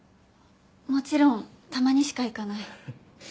もちろんたまにしか行かない。